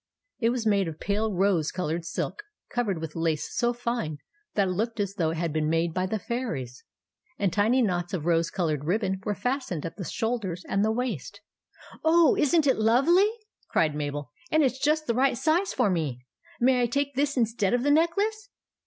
It was made of pale rose coloured silk, covered with lace so fine that it looked as though it had been made by the fairies ; and tiny knots of rose coloured ribbon were fastened at the shoulders and the waist. "Oh, isn't it lovely!" cried Mabel. "And it 's just the right size for me. May I take this instead of the necklace